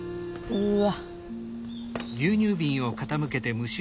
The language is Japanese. うわ！